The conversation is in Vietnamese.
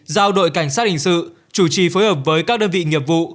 giao đội cảnh sát hình sự chủ trì phối hợp với các đơn vị nghiệp vụ